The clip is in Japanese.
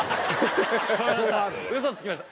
嘘つきました。